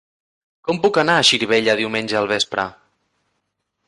Com puc anar a Xirivella diumenge al vespre?